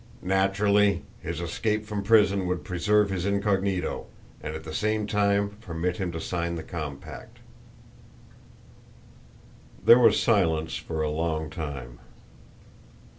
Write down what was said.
"Naturally his escape from prison would preserve his incognito, and at the same time permit him to sign the compact." There was silence for a long time.